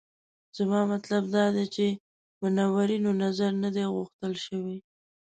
زما مطلب دا دی چې منورینو نظر نه دی غوښتل شوی.